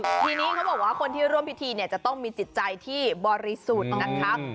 ทีนี้เขาบอกว่าคนที่ร่วมพิธีเนี่ยจะต้องมีจิตใจที่บริสุทธิ์นะคะ